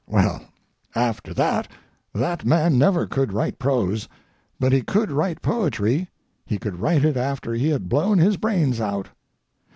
Well, after that that man never could write prose, but he could write poetry. He could write it after he had blown his brains out.